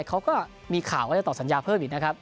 เขาก็มีข่าวว่าจะต่อสัญญาเพิ่มอีกนะครับ